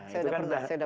itu kan legendas